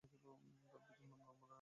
তার পিতার নাম রামনারায়ণ।